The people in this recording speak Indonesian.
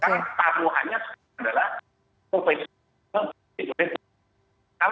karena tamuannya adalah provisional